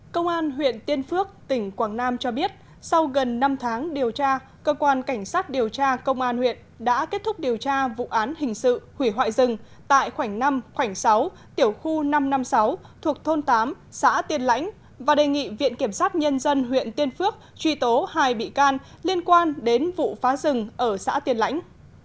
công an huyện tiên phước tỉnh quảng nam cho biết sau gần năm tháng điều tra cơ quan cảnh sát điều tra công an huyện đã kết thúc điều tra vụ án hình sự hủy hoại rừng tại khoảnh năm khoảnh sáu tiểu khu năm trăm năm mươi sáu thuộc thôn tám xã tiên lãnh và đề nghị viện kiểm sát nhân dân huyện tiên phước truy tố hai bị can liên quan đến vụ phá rừng ở xã tiên lãnh